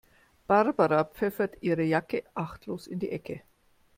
Barbara pfeffert ihre Jacke achtlos in die Ecke.